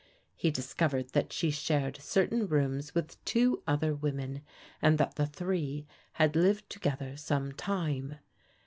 He discovered that she shared certain rooms with two other women, and that the three had lived to gether some time.